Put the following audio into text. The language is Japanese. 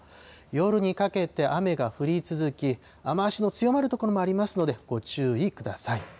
夜にかけて雨が降り続き、雨足の強まる所もありますので、ご注意ください。